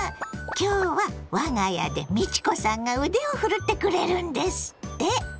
今日は我が家で美智子さんが腕を振るってくれるんですって。